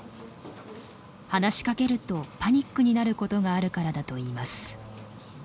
話しかけるとパニックになることがあるからだといいます。